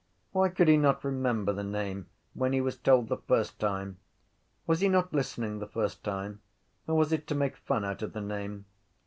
Why could he not remember the name when he was told the first time? Was he not listening the first time or was it to make fun out of the name?